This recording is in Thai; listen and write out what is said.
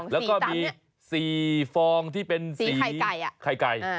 แล้วก็มี๔ฟองที่เป็นสีไข่ไก่